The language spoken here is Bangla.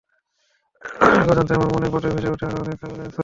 আয়লানের ছবি দেখে অজান্তে আমার মনের পটে ভেসে ওঠে আরও অনেক আয়লানের ছবি।